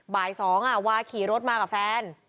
บ่าย๒วาขี่รถมากับแฟน